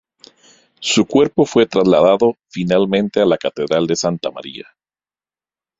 Su cuerpo fue trasladado finalmente a la catedral de Santa María.